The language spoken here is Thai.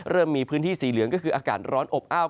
เริ่มมีพื้นที่สีเหลืองก็คืออากาศร้อนอบอ้าว